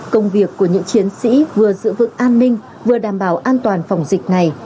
công việc của những chiến sĩ vừa giữ vững an ninh vừa đảm bảo an toàn phòng dịch này